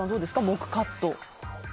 黙カット。